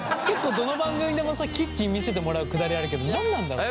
どの番組でもさキッチン見せてもらうくだりあるけど何なんだろうね？